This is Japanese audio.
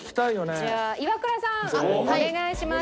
じゃあイワクラさんお願いします。